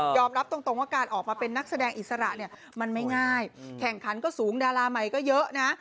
รับตรงว่าการออกมาเป็นนักแสดงอิสระเนี่ยมันไม่ง่ายแข่งขันก็สูงดาราใหม่ก็เยอะนะ